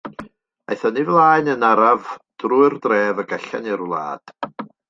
Aeth yn ei flaen yn araf drwy'r dref, ac allan i'r wlad.